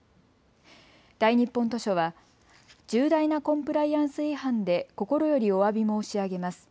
大日本図書は重大なコンプライアンス違反で心よりおわび申し上げます。